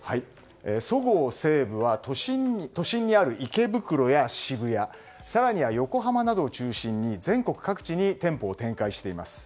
そごう・西武は都心にある池袋や渋谷更に横浜などを中心に全国各地に店舗を展開しています。